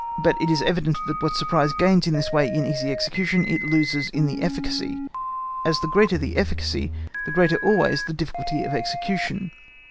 But it is evident that what surprise gains in this way in easy execution, it loses in the efficacy, as the greater the efficacy the greater always the difficulty of execution.